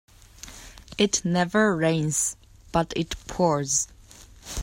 It never rains but it pours